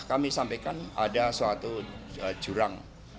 kami sampaikan ada suatu jurang